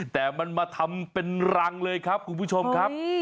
แต่มันมาทำเป็นรังเลยครับคุณผู้ชมครับ